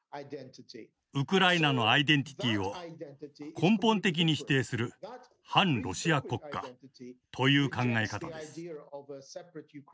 ウクライナのアイデンティティーを根本的に否定する「汎ロシア国家」という考え方です。